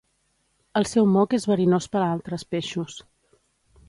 El seu moc és verinós per a altres peixos.